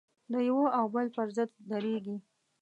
د یوه او بل پر ضد درېږي.